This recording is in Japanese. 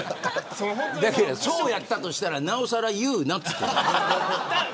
そうやったとしたらなおさら言うなっつうの。